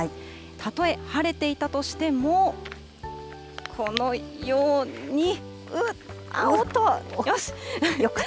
たとえ晴れていたとしても、このように、うっ、おっと、よし。